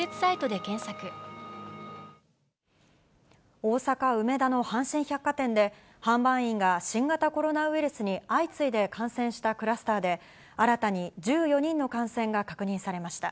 大阪・梅田の阪神百貨店で、販売員が新型コロナウイルスに相次いで感染したクラスターで、新たに１４人の感染が確認されました。